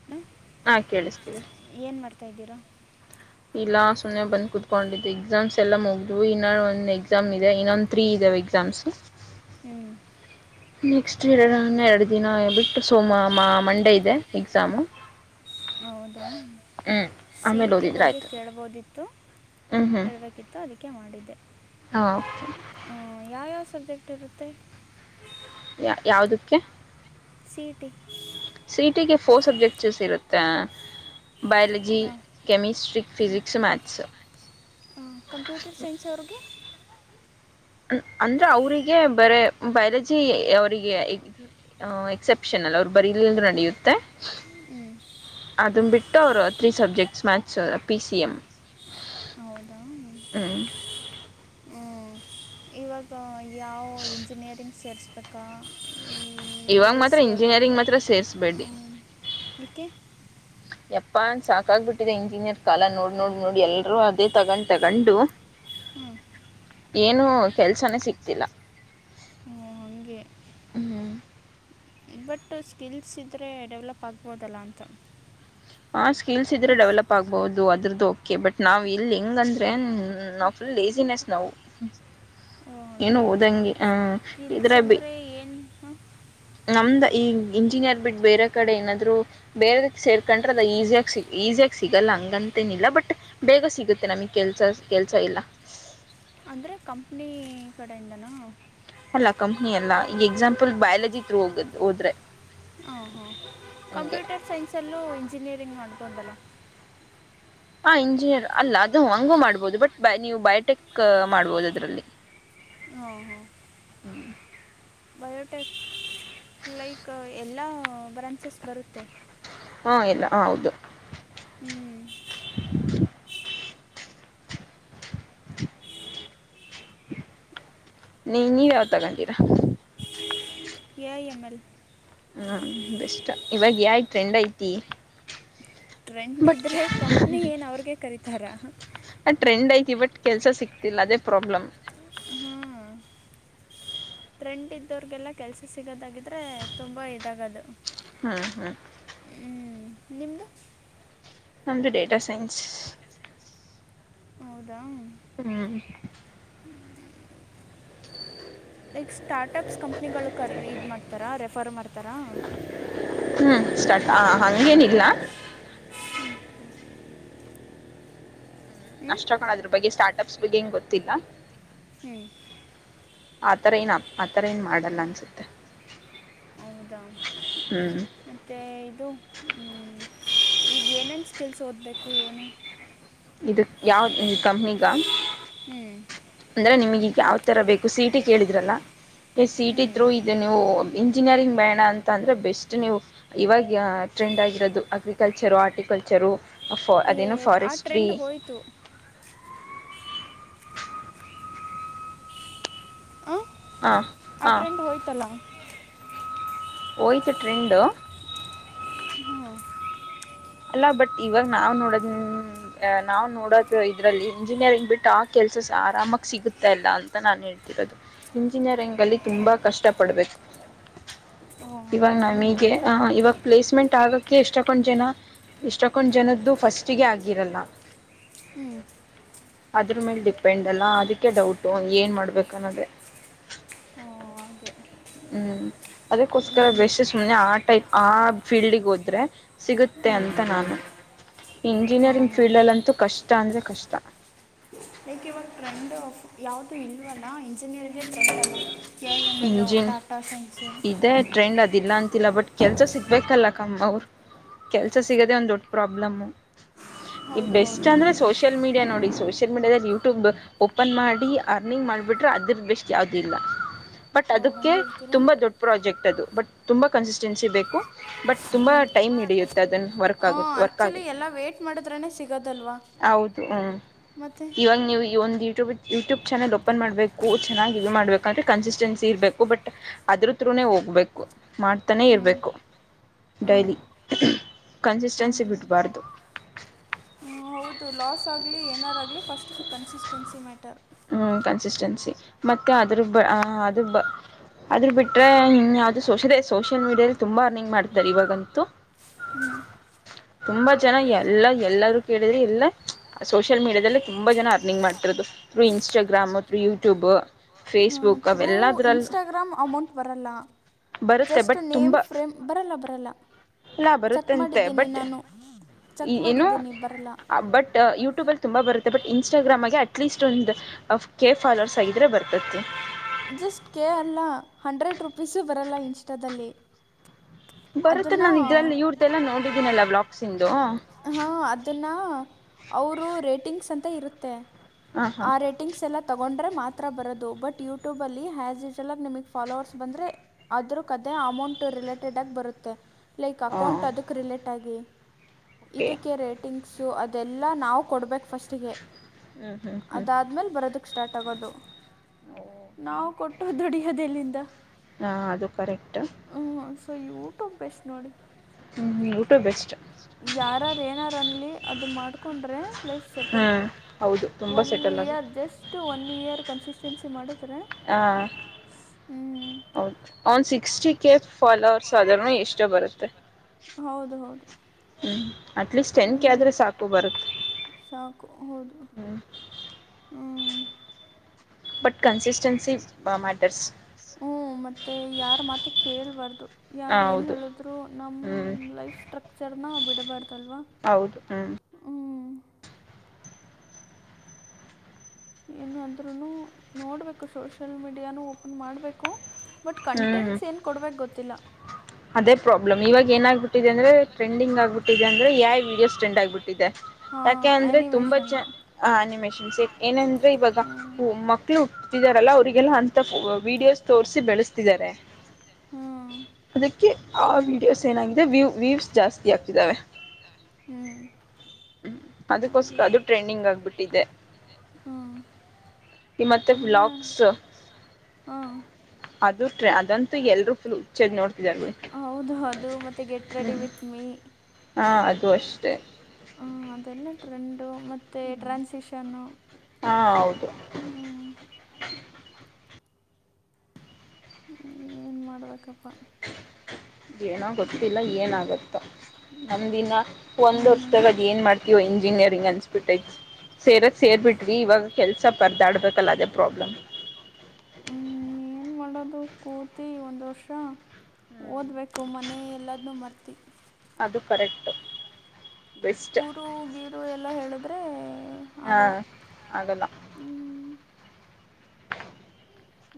[unintelligible] ಹಾ ಕೇಳಸಿತ್ತಿದೆ. [unintelligible] ಏನ್ ಮಾಡ್ತಾ ಇದ್ದೀರಾ? [unintelligible] ಇಲ್ಲಾ ಸುಮ್ಮನೆ ಬಂದ ಕುತ್ಕೊಂಡ ಇದ್ದೀವಿ ಎಕ್ಸಾಮ್ಸ್ ಎಲ್ಲಾ ಮುಗದವ ಇನ್ನ ಒಂದ ಎಕ್ಸಾಮ್ ಇದೆ ಇನ್ನೊಂದ ತ್ರೀ ಇದಾವೆ ಈಗ. [unintelligible] ಎಕ್ಸಾಮ್. [unintelligible] ಹೂ. [unintelligible] ನೆಕ್ಸ್ಟ್ ಹಿಡದ ಇನ್ನ ಎರಡು ದಿನ ಬಿಟ್ಟು ಸೋಮ ಮಾ ಮಂಡೇ ಇದೆ ಎಕ್ಸಾಮು. [unintelligible] ಹೌದಾ ಹ್ಮ್ ಆಮೇಲೆ ಸೀಟಿ ಓದಿದ್ರೆ ಬಗ್ಗೆ ಆಯ್ತು ಕೇಳ್ಬೋದಿತ್ತು ಹ್ಮ್ ಹ್ಮ್ [unintelligible] ಇತ್ತು ಅದಿಕ್ಕೆ ಮಾಡಿದ್ದೆ. ಹಾ ಹ ಯಾವ್ಯಾವ ಸಬ್ಜೆಕ್ಟ್ ಇರುತ್ತೆ. ಯ ಯಾವುದಕ್ಕೆ. C E T C E T ಗೆ ಫೋರ್ ಸಬ್ಜೆಕ್ಟ್ಸ್ ಇರುತ್ತ. ಬಯೋಲಜಿ ಯಾವ chemistry physics maths. Computer science ಅವ್ರಿಗೆ. ಅಂದ್ರೆ ಅವ್ರಿಗೆ ಬರೆ ಬಯೋಲಾಜಿ ಅವರಿಗೆ. ಎಕ್ಸೆಪ್ಷನ್ ಅಲ್ವಾ ಬರಿಲಿಲ್ಲ ಅಂದ್ರೂ ನಡೆಯುತ್ತೆ. ಹ್ಞೂ ಅದನ್ನ ಬಿಟ್ಟು ಅವರು three subjects maths P C M. ಹೌದಾ ಇವಾಗ ಯಾವ ಇಂಜಿನಿಯರಿಂಗ್ ಸೇರ್ಸಬೇಕಾ. ಬಿ ಇವಾಗ ಎಸ್ ಮಾತ್ರ ಸಿ ಅಗ್ರಿ ಇಂಜಿನಿಯರಿಂಗ್ ಮಾತ್ರ ಸೇರಿಸಬೇಡಿ ಎಕ್ಕೆೆ. ಯಪ್ಪಾ ಅನ್ ಸಾಕಾಗಬಿಟ್ಟಿದೆ ಇಂಜಿನಿಯರ್ ಕಾಲ ನೋಡ್ ನೋಡ್ ನೋಡಿ ಎಲ್ಲರೂ ಅದೇ ತಗೊಂಡ್ ತಗೊಂಡು. ಹ್ಮ್ ಏನು ಕೆಲ್ಸನೇ ಸಿಕ್ತಿಲ್ಲ. ಹ ಹಂಗೆ ಹ್ಮ್ ಬಟ್ ಸ್ಕಿಲ್ಸ್ ಇದ್ರೆ ಡೆವ್ಲಪ್ ಆಗ್ಬೋದಲ್ಲ ಅಂತ. ಆ ಸ್ಕಿಲ್ಸ್ ಇದ್ರೆ ಈಗ ಡೆವಲಪ್ ಆಗ್ಬಹುದು ಅದ್ರದ್ದು ಓಕೆ ಬಟ್ ನಾವ್ ಇಲ್ಲಿ ಹೆಂಗಂದ್ರೆ. ನಾವು ಫುಲ್ ಲೇಸಿನೆಸ್ ನಾವು ಓ ಏನು ಹಂಗೆ ಓದಂಗೆ ಸ್ಕಿಲ್ಸ್ ಇದ್ರ ಬಿ ಅಂದರೆ ಏನು ಹಾಂ ನಮ್ದ ಈ ಇಂಜಿನಿಯರ್ ಬಿಟ್ ಬೇರೆ ಕಡೆ ಏನಾದ್ರು. ಬೇರೆದ ಸೇರ್ಕೊಂಡ್ರೆ ಅದ ಈಸಿಯಾಗಿ ಸಿ ಈಸಿಯಾಗ ಸಿಗಲ್ಲ ಹಂಗಂತೇನಿಲ್ಲ ಬಟ್ - - ಬೇಗ ಸಿಗುತ್ತೆ ನಮಿಗ್ ಕೆಲ್ಸ ಕೆಲ್ಸ ಇಲ್ಲ. ಅಂದ್ರೆ ಕಂಪ್ನಿ ಕಡೆಯಿಂದನಾ. ಅಲ್ಲಾ ಕಂಪ್ನಿ ಅಲ್ಲಾ ಈಗ ಎಕ್ಸಾಂಪಲ್ ಬಯಾಲಜಿ ದ್ರೊ ಹೋಗ್ ಹೋದ್ರೆ. ಹಾ ಹಾ ಹಂಗೆ ಕಂಪ್ಯೂಟರ್ ಸೈನ್ಸಲ್ಲೂ ಇಂಜಿನಿಯರಿಂಗ್ ಮಾಡ್ಬೋದಲ್ಲ. ಹ ಇಂಜಿನಿಯರ್ ಅಲ್ಲ ಅದು ಹಂಗೂ ಮಾಡ್ಬೋದು ಬಟ್ ನೀವು ಬಯೋಟೆಕ್ ಮಾಡ್ಬೋದು ಅದ್ರಲ್ಲಿ. ಹಾ ಹಾ ಹ್ಮ [unintelligible] ಬಯೋಟೆಕ್ ಲೈಕ್ ಎಲ್ಲ ಬ್ರಾಂಚಸ್ ಬರುತ್ತೆ. ಹಾ ಎಲ್ಲ ಹ ಹೌದು. ಹ್ಮ ನೀ ನೀ ಯಾವ್ದ್ ತಗತಿರ. ಎ ಐ ಎಂ ಎಲ್ ಹ್ಞೂ ಬೆಸ್ಟ್ ಇವಾಗ ಯಾ ಟ್ರೆಂಡ್ ಐತಿ. ಟ್ರೆಂಡ್ ಬಟ್ ಇದ್ರೆ ಕಂಪ್ನಿ ಏನು ಅವ್ರಿಗೆ ಕರಿತರಾ. ಆ ಟ್ರೆಂಡ್ ಐತಿ ಬಟ್ ಕೆಲ್ಸ ಸಿಕ್ತಿಲ್ಲ ಅದೇ ಪ್ರಾಬ್ಲಮ್. ಹಾಂ ಟ್ರೆಂಡ್ ಇದ್ದೋರಿಗೆಲ್ಲ ಕೆಲಸ ಸಿಗೋದಾಗಿದ್ರೆ ತುಂಬಾ ಇದಾಗದು. ಹಾ ಹಾ ಹ್ಮ್ ನಿಮ್ದು. ನಮ್ಮದುು ಡೇಟಾ ಸೈನ್ಸ್. ಹೌದಾ. ಹ್ಮ್ ಲೈಕ್ ಸ್ಟಾರ್ಟಪ್ಸ್ ಕಂಪ್ನಿಗಳು ಕರ್ ಇದು ಮಾಡ್ತಾರಾ ರೆಫರ್ ಮಾಡ್ತಾರಾ. ಹ್ಮ್ ಸ್ಟಾರ್ಟ್ ಆ ಹಂಗೇನಿಲ್ಲ. ಹ್ಞೂ ಅಷ್ಟಕೊಂದದ್ರ ಬಗ್ಗೆ ಸ್ಟಾರ್ಟ್ ಅಪ್ಸ್ ಬಗ್ಗೆ ಏನ್ ಗೊತ್ತಿಲ್ಲ. ಹ್ಮ್ ಆತರ ಏನಪ್ ಆ ಥರ ಏನ್ ಮಾಡಲ್ಲ ಅನ್ಸುತ್ತೆ. ಹೌದಾ. ಹ್ಮ್ ಮತ್ತು ಇದು ಈಗ ಏನೇನು ಸ್ಕಿಲ್ಸ್ ಓದಬೇಕು ಏನು. ಇದು ಯಾವ ಈ ಕಂಪ್ನಿಗಾ. ಹ್ಮ್ ಅಂದ್ರೆ ನಿಮಗೀಗ್ ಯಾವ್ ತರ ಬೇಕು ಸಿ ಇ ಟಿ ಕೇಳಿದ್ರಲ್ಲ ಸಿ ಇ ಟಿ ಹ್ಞೂ ತ್ರೋ ಇದೇನೆ. ನೀವು ಇಂಜಿನಿಯರಿಂಗ್ ಬೇಣ ಅಂತ ಅಂದರೆ ಬೆಸ್ಟ್ ನೀವು ಇವಾಗ ಟ್ರೆಂಡ್ ಆಗಿರೋದು ಅಗ್ರಿಕಲ್ಚರು ಆರ್ಟಿಕಲ್ಚರು. ಫ ಅದನೊ ಫಾರೆಸ್ಟ್ರಿ. ರಯಿತು ಹಾ ಅಟ್ರೆಂಡ್ ಹೋಯ್ತಲ್ಲಂ. ಹೋಯ್ತು ಟ್ರೆಂಡು. ಹಾ ಅಲ್ಲ ಬಟ್ ಇವಾಗ ನಾವ್ ನೋಡದ್ ನಾವ್ ನೋಡೋದು ಇದ್ರಲ್ಲಿ ಇಂಜಿನಿಯರಿಂಗ್ ಬಿಟ್ಟು ಆ ಕೆಲ್ಸ ಸ ಆರಾಮಾಗಿ ಸಿಗುತ್ತೆ ಅಲ್ಲ ಅಂತ ನಾನ್ ಹೇಳ ತಿರದು ಇಂಜಿನಿಯರಿಂಗ್ ಅಲ್ಲಿ ತುಂಬಾ ಕಷ್ಟಪಡ್ಬೇಕು. ಓ ಇವಾಗ ಹಂಗ ಹ್ಞೂ ನಮಿಗೆ ಇವಾಗ್ ಪ್ಲೇಸ್ಮೆಂಟ್ ಆಗಕ್ಕೆ ಎಷ್ಟಕೊಂದ್ ಜನ ಇಷ್ಟಕ್ಕೊಂಡ್ ಜನದ್ದು ಫಸ್ಟಿಗೆ ಆಗಿರಲ್ಲ. ಹ್ಮ್ ಅದ್ರ ಮೇಲೆ ಡಿಪೆಂಡ್ ಅಲ್ಲಾ ಅದಕ್ಕೆ ಡೌಟು ಏನ್ ಮಾಡ್ಬೇಕನ್ನೋದೆ. ಹ್ಮೂ ಹಂಗೆ. ಹ್ಮ್ ಅದಕ್ಕೋಸ್ಕರ ಬೇಸಸ್ ಮೇಲೆ ಆ ಟೈಪ್ ಆ ಫೀಲ್ಡಿಗ್ ಹೋದ್ರೆ ಸಿಗುತ್ತೆ ಹ್ಞೂ ಅಂತ ನಾನು ಹಾಂ ಇಂಜಿನಿಯರಿಂಗ್ ಹಾಂ ಫೀಲ್ಡಲ್ಲಂತೂ ಕಷ್ಟ ಅಂದರೆ ಕಷ್ಟ. ಟ್ರೆಂಡ್ಫ್ ಯಾವ್ದು ಇಲ್ವಲ್ಲಾ ಇಂಜಿನಿಯರಿಂಗ್ ಹೇಳ್ ಬರ್ತಲ್ಲ ಕೆ ಐ ಎಮ್ ಎಲ್ಲು ಇಂಜಿನ್ ಡಾಟಾ ಸೈನ್ಸು. ಇದೇ ಟ್ರೆಂಡ್ ಅದಿಲ್ಲ ಅಂತಿಲ್ಲ ಬಟ್ ಕೆಲ್ಸ ಸಿಗ್ಬೇಕಲ್ಲ ಕಮ್ಮ್ ಅವ್ರು ಕೆಲ್ಸ ಸಿಗದೆ ಒಂದ್ ದೊಡ್ಡ್ ಪ್ರಾಬ್ಲಮ್ಮು. ಈಗ್ ಹೌದು ಬೆಸ್ಟ್ ಹೌದು ಅಂದ್ರೆ ಸೋಷಿಯಲ್ ಮೀಡಿಯಾ ನೋಡಿ ಸೋಷಿಯಲ್ ಮೀಡಿಯಾದಲ್ಲಿ ಯೂಟ್ಯೂಬ್ ಓಪನ್ ಮಾಡಿ ಅರ್ನಿಂಗ್ ಮಾಡ್ಬಿಟ್ರೆ ಅದ್ರದಷ್ಟು ಯಾವ್ದ ಇಲ್ಲಿ ಬಟ್ ಓ ಅದಕ್ಕೆ ಹಂಗೆ ಹೇಳ್ತೀರಾ ತುಂಬಾ ದೊಡ್ ಪ್ರಾಜೆಕ್ಟ್ ಅದು ಬಟ್ ತುಂಬ ಕನ್ಸಿಸ್ಟೆನ್ಸಿ ಬೇಕು ಬಟ್ ತುಂಬ ಹಾಂ ಟೈಮ್ ಹಿಡಿಯುತ್ತೆ ಅದನ್ನು ವರ್ಕ್ ಹಾಂ ಆಗಕ್ ವರ್ಕ್ ಆ್ಯಕ್ಚುಲಿ ಆಗಕ್ಕೆ ಎಲ್ಲ ವೇಟ್ ಮಾಡಿದ್ರೇ ಸಿಗೋದಲ್ವಾ ಹೌದು. ಮತ್ತೆ ಇವಾಗ್ ನೀವು ಈ ಒಂದು ಯೂಟ್ಯೂಬ್ ಯೂಟ್ಯೂಬ್ ಚಾನೆಲ್ ಓಪನ್ ಮಾಡಬೇಕು ಚೆನ್ನಾಗಿ ಇದ್ ಮಾಡ್ಬೇಕಂದ್ರೆ ಕನ್ಸಿಸ್ಟೆನ್ಸಿ ಇರಬೇಕು ಬಟ್ ಅದ್ರ ತ್ರೂನೆ ಹೋಗ್ಬೇಕು ಮಾಡ್ತಾನೆ ಹ್ಞೂ ಇರ್ಬೇಕು ಹ್ಞೂ ಡೈಲಿ. ಕನ್ಸಿಸ್ಟೆನ್ಸಿ ಹಾಗೆ ಬಿಡಬಾರ್ದು. ಹೂ ಹೌದು ಲಾಸ್ ಆಗಲಿ ಏನಾರಾಗಲಿ ಫಸ್ಟ್ ಕನ್ಸಿಸ್ಟೆನ್ಸಿ ಮ್ಯಾಟರ್. ಹೂ ಕನ್ಸಿಸ್ಟೆನ್ಸಿ ಮತ್ತು ಅದ್ರ ಬ ಅದು ಬ ಅದ್ರ ಬಿಟ್ಟರೆ ಹಿನ್ ಯಾವುದು ಸೋಷಲ್ ಸೋಷಿಯಲ್ ಮೀಡಿಯಲ್ಲಿ ತುಂಬ ಅರ್ನಿಂಗ್ ಮಾಡ್ತಾರೆ ಇವಾಗಂತು. ಹ್ಮ್ ತುಂಬ ಜನ ಎಲ್ಲ ಎಲ್ಲರೂ ಕೇಳಿದರೆ ಎಲ್ಲ ಸೋಷಿಯಲ್ ಮೀಡ್ಯಾದಲ್ಲಿ ತುಂಬ ಜನ ಅರ್ನಿಂಗ್ ಮಾಡ್ತಿರೋದು. Through Instagram through YouTube. ಹ ಥೂ ಇನ್ಸ್ಟಾಗ್ರಾಮ್ ಅಮೌಂಟ್ ಬರಲ್ಲ. ಬರುತ್ತೆ ಜಸ್ಟ್ ನೇಮ್ ಫ್ರೇಮ್ ಬರಲ್ಲ ಬರಲ್ಲ. ಇಲ್ಲಾ ಚೆಕ್ ಬರುತ್ತಂತೆ ಮಾಡಿದ್ದೀನಿ ಬಟ್ ನಾನು ಎ ಚೆಕ್ ಏನೂ ಮಾಡಿದ್ದೀನಿ ಬರಲ್ಲ ಬಟ್ ಯೂಟ್ಯೂಬಲ್ಲಿ ತುಂಬಾ ಬರತ್ತೆ ಬಟ್ ಇನ್ಸ್ಟಾಗ್ರಾಮಗೆ ಅಟ್ಲೀಸ್ಟ್ ಒಂದು ಕೆ ಫಾಲೋರ್ಸ್ ಆಗಿದ್ರೆ ಬರ್ತತಿ. ಜಸ್ಟ್ ಕೆ ಅಲ್ಲ ಹಂಡ್ರೆಡ್ ರುಪೀಸೆ ಬರೋಲ್ಲ ಇನ್ಸ್ಟಾದಲ್ಲಿ. ಬರುತ್ತೆ ಅದನ್ನು ನಾನು ಇದ್ರಲ್ಲಿ ಇವ್ರ್ದಲ್ಲ ನೋಡಿದ್ದೀನಲ್ಲ ಬ್ಲಾಕ್ಸ್ಂದು. ಹಾ ಅದನ್ನಾ ಅವರು ರೇಟಿಂಗ್ಸ್ ಅಂತ ಇರುತ್ತೆ ಹಾಂ ಆ ರೇ ಟಿಂಗ್ಸ್ ಎಲ್ಲ ತಗೊಂಡ್ರೆ ಮಾತ್ರ ಬರೋದು ಬಟ್ ಯೂಟ್ಯೂಬ ಅಲ್ಲಿ ಹ್ಯಾಸಿಷಲ್ ಆಗಿ ನಿಮಗ್ ಫಾಲೋವರ್ಸ್ ಬಂದರೆ ಆದ್ರೂ ಕದೆ ಅಮೌಂಟ್ ರಿಲೇಟೆಡ್ ಆಗ್ ಬರುತ್ತೆ. ಲೈಕ್ ಹಾಂ ಅಕೌಂಟ್ ಅದಕ್ಕೆ ರಿಲೇಟಾಗಿ ಓಕೆ ಇದಕ್ಕೆ ರೇಟ್ ಟಿಂಕ್ಸು ಅದೆಲ್ಲ ನಾವು ಕೊಡ್ಬೇಕು ಫಸ್ಟಿಗೆ. ಹ್ಮ್ ಹ್ಮ್ ಹ್ಮ್. ಆಮೇಲ್ ಬರೋದಕ್ಕೆ ಸ್ಟಾರ್ಟ್ ಆಗೋದು. ಹಓ ನಾವು ಕೊಟ್ಟು ದುಡಿಯೋದೆಲ್ಲಿಂದ. ಹಾಂ ಅದು ಕರೆಕ್ಟ. ಹ್ಞೂ ಸೊ ಯೂಟೂಬ್ ಎಷ್ಟು ನೋಡಿ. ಹ್ಮ್ ಯೂಟೂಬ್ ಎಷ್ಟ್ ಯಾರಾರೇನಾರನ್ಲಿ ಅದನ್ನ ಮಾಡ್ಕೊಂಡ್ರೆ ಲೈಫ್ ಸೆಟಲ್. ಹ್ಮ್ ಹೌದು ತುಂಬಾ ಒನ್ ಸೆಟಲ್ ಇಯರ್ ಆಗುತ್ತೆ ಜಸ್ಟ್ ಒನ್ ಇಯರ್ ಕನ್ಸಿಸ್ಟೆನ್ಸಿ ಮಾಡ ಹಾ ಹೌದು ಒನ್ ಸಿಕ್ಸ್ಟಿ ಕೆ ಫಾಲೋವರ್ಸ್ ಆದ್ರುನು ಎಷ್ಟೋ ಬರುತ್ತೆ. ಹೌದು ಹೌದು. ಹ್ಮ್ ಅಟ್ಲೀಸ್ಟ್ ಟೆನ್ ಕ ಹ್ಮ್, ಆದ್ರೆ ಸಾಕು ಬರುತ್ತೆ. ಸಾಕು ಹೌದು. ಹ್ಮ್ ಹ್ಮ ಬಟ್ ಟೆನ್ಸಿ ಬ ಮ್ಯಾಟರ್ ಹ್ಮ ಮತ್ತೆ ಯಾರ ಮಾತು ಕೇೇಳಬಾರ್ದು. ಹ ಯಾರು ಏನು ಹೌದು ಹೇಳಿದ್ರು ಹ್ಮ್ ನಮ್ಮ ಲೈಫ್ ಸ್ಟ್ರಕ್ಚರ್ನ ಬಿಡಬಾರ್ದಲ್ವಾ. ಹೌದು ಹ್ಮ್ ಹ್ಮ್ ಏನಾದ್ರುನೂ ನೋಡ್ಬೇಕು ಸೋಷಿಯಲ್ ಮೀಡಿಯಾನು ಓಪನ್ ಮಾಡಬೇಕು. ಬಟ್ ಹ್ಮ್ ಕಂಟೆಂಟ್ಸ್ ಏನು ಕೊಡ್ಬೇಕು ಗೊತ್ತಿಲ್ಲ. ಅದೇ ಪ್ರಾಬ್ಲಮ್ ಇವಾಗ ಏನಾಗ್ಬಟ್ಟಿದೆ ಅಂದ್ರೆ ಟ್ರೆಂಡಂಗ್ ಆಗ್ಬಿಟ್ಟಿದೆ ಯಾ ವೀಡಿಯೋಸ್ ಟ್ರೆಂಡ್ ಆಗ್ಬಿಟ್ಟಿದೆ. ಹಾ ಯಾಕೆ ಅಂದ್ರೆ ತುಂಬಾ ಆನಿಮೇಷನ್ನು ಜ ಆ ಅನಿಮೇಷನ್ಸ್ ಏನಂದ್ರೆ ಇವಾಗ ಹ್ಮ್ ಮಕ್ಳು ಹುಟ್ಟತಿದಾರಲ್ಲ ಅವರಿಗೆಲ್ಲ ಅಂತ ವೀಡಿಯೋಸ್ ತೋರ್ಸಿ ಬೆಳೆಸ್ತಿದ್ದಾರೆ. ಹ್ಮಾ ಅದಕ್ಕೆ ಆ ವೀಡಿಯೋಸ್ ಏನಾಗಿದೆ ವ್ಯೂ ವ್ಯೂವ್ಸ್ ಜಾಸ್ತಿ ಆಗ್ತಿದಾವೆ. ಹ್ಮ್ ಹ್ಮ ಹಾಗೆ ಅದಕೋಸ್ಕರ ಅದು ಟ್ರೆಂಡಿಂಗ್ ಆಗ್ಬಿಟ್ಟಿದೆ. ನಿಮ್ಮತ್ತೆ ಬ್ಲಾಕ್ [inaudible] ಹ್ಮು ಅದು ಟ್ರೆ ಅದಂತೂ ಎಲ್ರೂ ಫುಲ್ ಹುಚ್ಚೆದ್ ನೋಡ್ತಿದಾರ ಬಿಡಿ ಹೌದು ಅದು ಮತ್ತೆ ಗೆಟ್ ರೆಡಿ ವಿತ್ ಮೀ ಹಾ ಅದು ಅಷ್ಟೇ ಹು ಅದೆಲ್ಲ ಟ್ರೆಂಡು ಮತ್ತೆ ಟ್ರಾನ್ಸಿಷನ್ನು ಹಾ ಹೌದು ಹ್ಮ್ ಹ್ಮೂ ಏನ್ ಮಾಡ್ಬೇಕಪ್ಪಾ ಏನೋ ಗೊತ್ತಿಲ್ಲಾ ಏನಾಗತ್ತೋ ನಮ್ಮ್ದಿನಾ ಒಂದ್ ವರ್ಷದಾಗ ಅದೆನ್ ಮಾಡ್ತೀವೋ ಇಂಜಿನಿಯರಿಂಗ್ ಅನ್ಸ್ಬಿಟ್ಟೈತಿ ಸೇರದ್ ಸೇರ್ಬಿಟ್ವಿ ಇವಾಗ ಕೆಲಸ ಪರ್ದಾಡ್ಬೇಕಲ್ಲ ಅದೇ ಪ್ರಾಬ್ಲಮ್ ಹ್ಮ್ ಏನ್ ಮಾಡೋದು ಕೂತಿ ಒಂದ್ ವರ್ಷಾ ಓದ್ಬೇಕು ಮನೆ ಎಲ್ಲದ್ನೂ ಮರ್ತಿ ಅದು ಕರೆಕ್ಟು ಊರು ಗೀರೂ ಎಲ್ಲಾ ಹೇಳಿದ್ರೆ ಆಗಲ್ಲಾ ಆಗಲ್ಲಾ.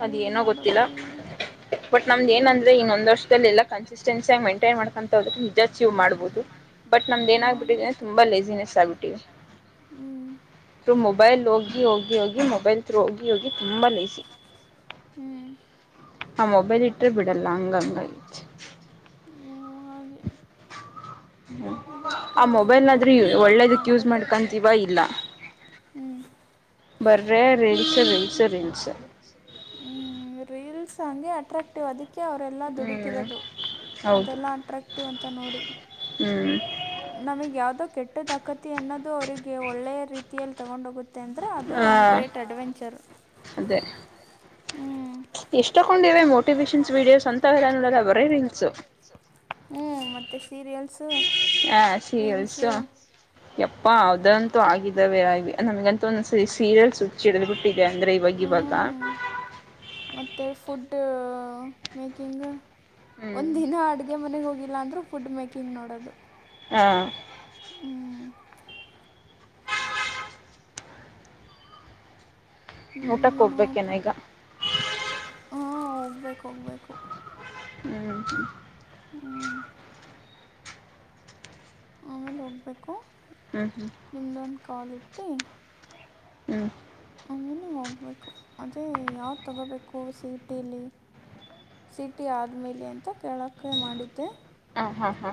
ಅದ ಏನು ಏನೋ ಮಾಡೋದು ಗೊತ್ತಿಲ್ಲಾ ಏನು [inaudible] ಒಟ್ ನಮ್ದ ಹ್ಞೂ ಏನಂದ್ರೆ ಇನ್ನೊಂದ ವರ್ಷದಲ್ಲಿ ಎಲ್ಲ ಕನ್ಸಿಸ್ಟೆನ್ಸಿ ಆಗಿ ಮೆಂಟೈನ್ ಮಾಡ್ಕೊಂತ ಹೋದ್ರೆ ನಿಜ ಅಚೀವ್ ಮಾಡ್ಬೋದು ಬಟ್ ನಮ್ದ ಮಾಡು ಏನಾಗ್ಬಿಟ್ಟಿದೆ ತುಂಬಾ ಲೇಜಿನೆಸ್ ಆಬಿಟ್ಟೀವಿ ಹ್ಮ್ಮ್. ತ್ರೂ ಮೊಬೈಲ್ ಹೋಗಿ ಹೋಗಿ ಹೋಗಿ ಮೊಬೈಲ್ ಥ್ರೂ ಹೋಗಿ ಹೋಗಿ ತುಂಬಾ ಲೆಜೀ ಹ್ಮ. ಆ ಮೊಬೈಲ್ ಇಟ್ಟರೆ ಬಿಡಲ್ಲಾ ಹಂಗಂಗಾಗಿ ಹ್ಮ್ಮ್ ಹಾಗೆ ಬಟ್ ಆ ಮೊಬೈಲ್ನಾದ್ರೂ ಓದೋದು ಸ್ಟಾರ್ಟ್ ಒಳ್ಳೇದಕ್ ಯೂಸ್ ಮಾಡ್ಕೊಂತೀವಾ ಇಲ್ಲಾ ಹ್ಮ‌. ಬರ್ರೇ ರಿಲ್ಸು ರಿಲ್ಸು ರಿಲ್ಸು ಹ್ಮ್ ರೀಲ್ಸ್ ಹಂಗೆ ಅಟ್ರಾಕ್ಟ್ ಅಕ್ಟಿವ್ ಅದಕ್ಕೆ ಅವರೆಲ್ಲ ಹ್ಮ್ ದುಡಿತಿರೋದು ಅದೆಲ್ಲಾ ಅಟ್ರಾಕ್ಟಿವ್ ಅಂತ ನೋಡಿ ಹ್ಮ್ಮ್. ನಮಗೆ ಯಾವುದೋ ಕೆಟ್ಟದಾಕತಿ ಅನ್ನೋದು ಅವರಿಗೆ ಒಳ್ಳೆಯ ರೀತಿಯಲ್ಲಿ ತಗೊಂಡ ಹೋಗು ತ್ತೆ ಅಂದ್ರೆ ಅದು ಹ ಒಂದು ಗ್ರೇಟ್ ಅಡ್ವೆಂಚರ್ ಅದೇ ಹ್ಞೂ ಇಷ್ಟಕೊಂಡಿವೆ ಮೋಟಿವೇಶನ್ಸ್ ವಿಡಿಯೋಸ್ ಅಂತವೆಲ್ಲ ನೋಡಲ್ಲ ಬರೆ ರೀಲ್ಸು ಹ್ಮ್ಹೂ ಮತ್ತೆ ಸೀರಿಯಲ್ಸು ಹ ರೀಲ್ಸು ಸೀರಿಯಲ್ಸು [inaudible] ಎಪ್ಪಾ ಅದಂತೂ ಆಗಿದ್ದಾವೆ ಆ ನಮ್ಗ ಮತ್ತೊಂದ ಸೀ ಸೀರಿಯಲ್ಸ್ ಹುಚ್ ಹಿಡಿದ್ ಬಿಟ್ಟಿದೆ ಅಂದ್ರೆ ಇವಾಗ ಇವಾಗ [inaudible] ಮತ್ತೆ ಫುಡ್ ಅ ಮೇಕಿಂಗ್ ಒಂದ್ ಹ್ಮ್ ದಿನಾ ಅಡ್ಗೆ ಮನೆಗೆ ಹೋಗಿಲ್ಲ ಅಂದ್ರೂ ಫುಡ್ ಮೇಕಿಂಗ್ ನೋಡದು ಹಾ ಊಟಕ್ಕೆ ಹೋಗ್ಬೇಕೆನ ಏನೋಪ್ಪ ಈಗ ಹಾಂ ಹೋಗ್ಬೇಕು ಹೋಗ್ಬೇಕು ಹ್ಮ. ಹ್ಮೂ. ಆಮೇಲೆ ಹೋಗ್ಬೇಕು ಹ್ಮ್ ಹ್ಮ್ ನಿಮ್ದೊಂದು ಕಾಲ್ ಇಟ್ಟಿ. ಹ್ಮ್ ಆಮೇಲೆ ಹೋಗ್ಬೇಕು ಅದೇ ಯಾವ್ದ್ ತಗೋಬೇಕು ಸಿ ಇ ಟಿ ಲಿ. ಸಿಟಿ ಆದ್ಮೇಲೆ ಅಂತ ಕೇಳೋಕೆ ಮಾಡಿದ್ದೆ. ಹಾ ಹಾ ಹಾ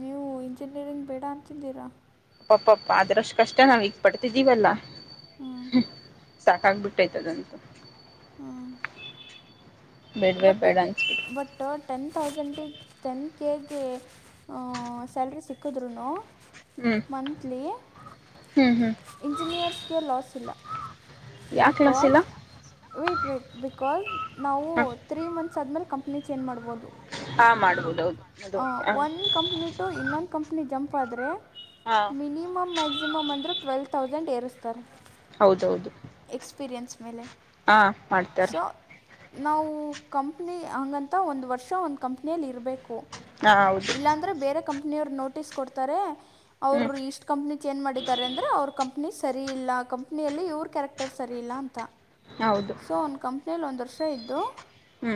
ನೀವು ಇಂಜಿನಿಯರಿಂಗ್ ಬೇಡ ಅಂತಿದ್ದೀರಾ. ಪಾ ಪ ಪ್ಪ ಅದ್ರಷ್ಟು ಕಷ್ಟ ನಾವ್ ಈಗ್ ಪಡ್ತಿದ್ದೀವಲ್ಲಾ. ಹ್ಞೂ ಸಾಕಾಗಬಿಟೈತ್ ಅದಂತು. ಹಾ ಬೆಡ್ ವೆ ಬೇಡ. ಬಟ್ ಟೆನ್ ತೌಸಂಡಿಗೆ ಟೆನ್ ಕೆ ಗೆ. ಸ್ಯಾಲ್ರಿ ಸಿಕ್ಕದ್ರುನು ಹ್ಮ್ ಮಂತ್ಲಿ. ಹ್ಮ್ ಹ್ಮ್ ಇಂಜಿನಿಯರ್ಸ್ಗೆ ಲಾಸ್ ಇಲ್ಲ ಯಾವ ಕ್ಲಾಸ್ ಬಿಕಾಸ್, ಇಲ್ಲ ವೆಟ್ ವೆಟ್ ಬಿಕಾಸ್ ನಾವು ಹ ತ್ರೀ ಮಂತ್ಸ್ ಆದ್ಮೇಲೆ ಕಂಪ್ನಿ ಚೇಂಜ್ ಮಾಡ್ಬೋದು. ಹಾ ಮಾಡ್ಬೋದು ಹೌದು ಅದು ಆ ಹ ಒನ್ ಕಂಪ್ನಿ ಟು ಇನ್ನೊಂದು ಕಂಪ್ನಿ ಜಂಪ್ ಆದ್ರೆ. ಹಾ ಮಿನಿಮಮ್ ಮ್ಯಾಕ್ಸಿಮ್ ಅಂದ್ರು ಟ್ವಲ್ ತೌಸಂಡ್ ಏರಿಸ್ತಾರೆ. ಹೌದೌದು ಎಕ್ಸ್ಪೀರಿಯೆನ್ಸ್ ಮೇಲೆ ಹಾ ಮಾಡ್ತಾರೆ ಸೊ ನಾವು ಕಂಪ್ನಿ ಹಂಗಂತ ಒಂದು ವರ್ಷ ಒಂದು ಕಂಪ್ನಿಯಲ್ಲಿ ಇರಬೇಕು. ಹಾ ಹೌದು ಅಂದ್ರೆ ಬೇರೆ ಕಂಪನಿಯವ್ರು ನೋಟಿಸ್ ಕೊಡ್ತಾರೆ ಹ್ಮ್ ಅವ್ರು ಇಷ್- ಕಂಪ್ನಿ ಚೇಂಜ್ ಮಾಡಿದ್ದಾರೆ ಅಂದ್ರೆ ಅವ್ರ ಕಂಪ್ನಿ ಸರಿ ಇಲ್ಲ ಕಂಪನಿಯಲ್ಲಿ ಇವ್ರ ಕ್ಯಾರೆಕ್ಟರ್ ಟಕ್ಟರ್ ಸರಿ ಇಲ್ಲ ಅಂತ. ಹೌದು ಸೊ ಒಂದ್ ಕಂಪ್ನಿಯಲ್ಲಿ ಒಂದ್ ವರ್ಷ ಇದ್ದು. ಹೂ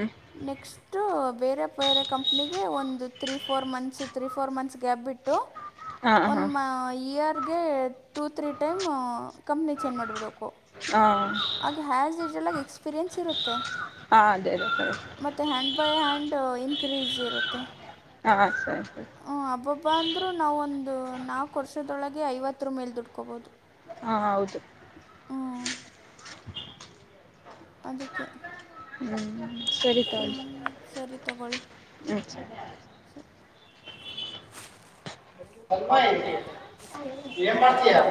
ನೆಕ್ಸ್ಟ್, ಟು ಬೇರೆ ಬೇರೆ ಕಂಪ್ನಿಗೆ ಒಂದು three four months three four months gap ಬಿಟ್ಟು. ಹಾ ಒನ್ ಹಾ ಇಯರ್ಗೆ two three time company change ಮಾಡಿಬಿಡ್ಬೇಕು. ಹಾ ಆಗ ಹ್ಯಾಸ್ ವಿಶಿಲಾಗ್ ಎಕ್ಸ್ಪೀರಿಯೆನ್ಸ್ ಇರುತ್ತೆ. ಹಾ ಅದೇ ಅದೇ - ಮತ್ತೆ ಹ್ಯಾಂಡ್ ಬೈ ಹ್ಯಾಂಡ್ ಇನ್ಕ್ರೀಸ್ ಇರುತ್ತೆ. ಹಾ ಸರಿ ಸರಿ. ಹ್ಞೂ ಹಬಬ್ಬ ಹಬಬ್ಬ ಅಂದ್ರೂ ನಾವ್ ಒಂದು ನಾಲ್ಕು ವರ್ಷದೊಳಗೆ ಐವತ್ತರು ಮೇಲೆ ದುಡ್ಕೋಬೋದು. ಹಾ ಹೌದು ಹ್ಞೂ [unintelligible] ಅದಿಕ್ಕೆ ಹ್ಮ್ ಸರಿ ತಳಿ ಸರಿ ತಗೊಳ್ಳಿ [unintelligible] ಸರಿ ಸ್ವಲ್ಪ ಏನ್ ಮಾಡ್ತತ್ಯ.